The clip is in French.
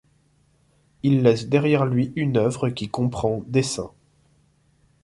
Il laisse derrière lui une œuvre qui comprend dessins.